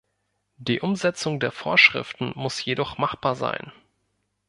Die Umsetzung der Vorschriften muss jedoch machbar sein.